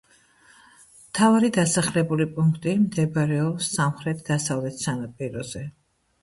მთავარი დასახლებული პუნქტი მდებარეობს სამხრეთ-დასავლეთ სანაპიროზე.